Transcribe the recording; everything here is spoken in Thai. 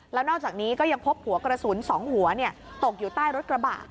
แล้วนอกจากนี้ก็ยังพบหัวกระสุน๒หัวตกอยู่ใต้รถกระบะ